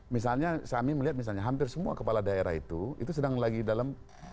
misalnya kami melihat misalnya hampir semua kepala daerah itu itu sedang lagi dalam